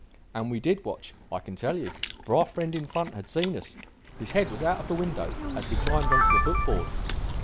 And we did watch, I can tell you; for our friend in front had seen us. His head was out of the window as we climbed on to the foot board.